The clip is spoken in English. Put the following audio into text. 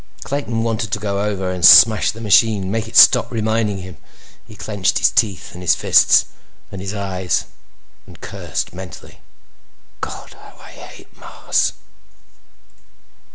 Clayton wanted to go over and smash the machine—make it stop reminding him. He clenched his teeth and his fists and his eyes and cursed mentally. _God, how I hate Mars!